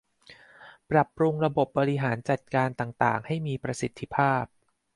ปรับปรุงระบบบริหารจัดการต่างต่างให้มีประสิทธิภาพ